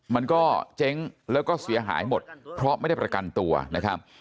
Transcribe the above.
มันก็เจ๊งแล้วก็เสียหายหมดเพราะไม่ได้ประกันตัวนะครับ